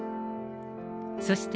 そして、